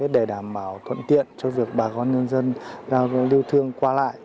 để đảm bảo thuận tiện cho việc bà con nhân dân giao lưu thương qua lại